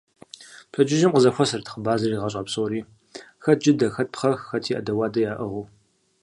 Пщэдджыжьым къызэхуэсырт хъыбар зригъэщӀа псори, хэт джыдэ, хэт пхъэх, хэти Ӏэдэ-уадэ яӀыгъыу.